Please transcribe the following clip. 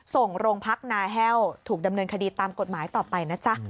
ส่งโรงพักนาแห้วถูกดำเนินคดีตามกฎหมายต่อไปนะจ๊ะ